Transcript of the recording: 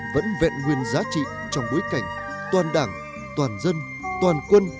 vẫn vẹn nguyên giá trị trong bối cảnh toàn đảng toàn dân toàn quân